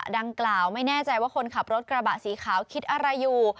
ดังกล่าวไม่แน่ใจว่าคนขับรถกระบะสีขาวคิดอะไรอยู่